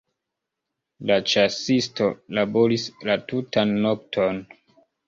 La ĉasisto laboris la tutan nokton.